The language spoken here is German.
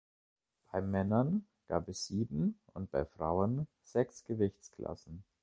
Bei Männern gab es sieben und bei Frauen sechs Gewichtsklassen.